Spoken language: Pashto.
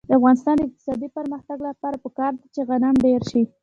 د افغانستان د اقتصادي پرمختګ لپاره پکار ده چې غنم ډېر شي.